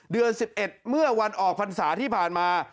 เดือน๑๑เมื่อวันออกภัณฑ์ศาสตร์ที่ผ่านมา